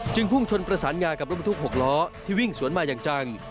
พุ่งชนประสานงากับรถบรรทุก๖ล้อที่วิ่งสวนมาอย่างจัง